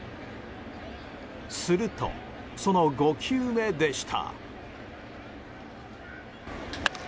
すると、その５球目でした。